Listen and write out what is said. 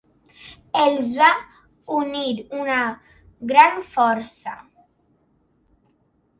Els va unir una gran força.